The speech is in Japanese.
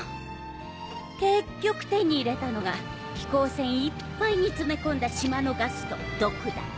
結局手に入れたのが飛行船いっぱいに詰め込んだ島のガスと毒だけ。